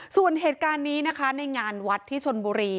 ส่วนเหตุการณ์นี้นะคะในงานวัดที่ชนบุรี